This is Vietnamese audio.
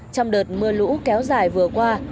trong đợt mưa lũ kéo dài vừa qua